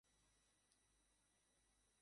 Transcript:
তার ছোট ভাই জুন মাসে মৃত্যুবরণ করে।